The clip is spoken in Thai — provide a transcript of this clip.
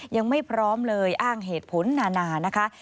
ยังไม่พร้อมเลยอ้างเหตุผลนานานะคะ